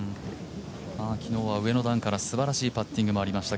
昨日は上の段からすばらしいパッティングもありました。